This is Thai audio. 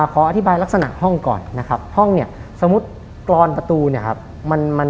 ขออธิบายลักษณะห้องก่อนนะครับห้องเนี่ยสมมุติกรอนประตูเนี่ยครับ